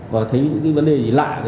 và thấy vấn đề gì lại